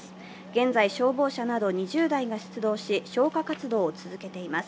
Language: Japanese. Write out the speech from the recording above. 現在、消防車など２０台が出動し、消火活動を続けています。